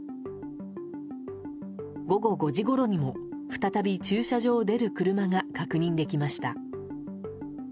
午後５時ごろにも再び駐車場を出る車が確認できました。